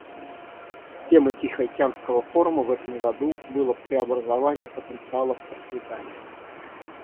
Темой Тихоокеанского форума в этом году было "Преобразование потенциала в процветание".